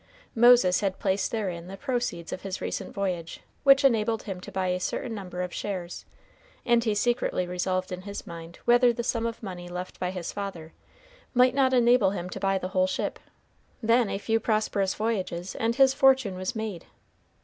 Moses had placed therein the proceeds of his recent voyage, which enabled him to buy a certain number of shares, and he secretly revolved in his mind whether the sum of money left by his father might not enable him to buy the whole ship. Then a few prosperous voyages, and his fortune was made!